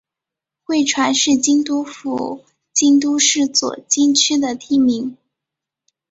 贵船是京都府京都市左京区的地名。